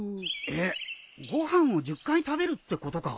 えっご飯を１０回食べるってことか？